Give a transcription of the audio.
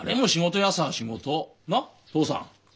なっ父さん？